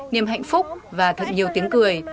niềm hạnh phúc và thật nhiều tiếng cười